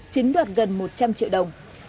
chính đoạt gần một trăm linh triệu đồng